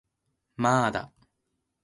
まーだ